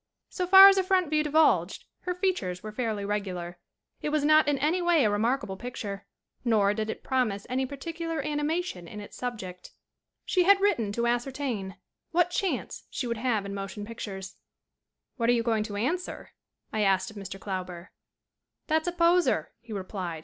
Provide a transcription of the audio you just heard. So far as a front view divulged her features were fairly regular. It was not in any way a remarkable picture. Nor did it promise any particular animation in its subject. 15 16 SCREEN ACTING She had written to ascertain "what chance she would have in motion pictures." "What are you going to answer?" I asked of Mr. Klauber. "That's a poser," he replied.